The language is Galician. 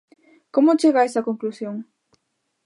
Como chega a esa conclusión?